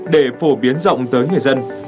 để phổ biến rộng tới người dân